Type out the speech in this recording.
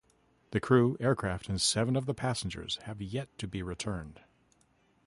The crew, aircraft, and seven of the passengers have yet to be returned.